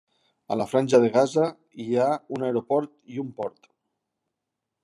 A la Franja de Gaza hi ha un aeroport i un port.